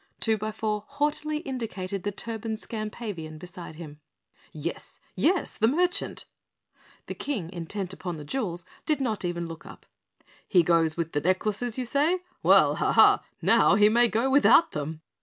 Twobyfour haughtily indicated the turbaned Skampavian beside him. "Yes! Yes, the merchant." The King, intent upon the jewels, did not even look up. "He goes with the necklaces, you say? Well, ha! ha! now he may go without them.